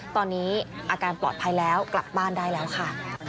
ตอนนี้อาการปลอดภัยแล้วกลับบ้านได้แล้วค่ะ